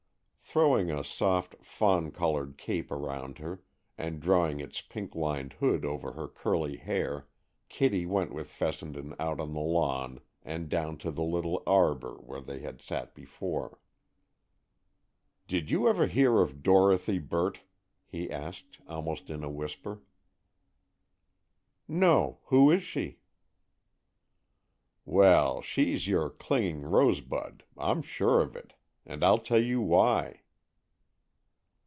Throwing a soft fawn colored cape round her, and drawing its pink lined hood over her curly hair, Kitty went with Fessenden out on the lawn and down to the little arbor where they had sat before. "Did you ever hear of Dorothy Burt?" he asked, almost in a whisper. "No; who is she?" "Well, she's your 'clinging rosebud,' I'm sure of it! And I'll tell you why."